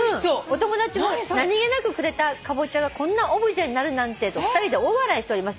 「お友達も何気なくくれたカボチャがこんなオブジェになるなんてと２人で大笑いしております」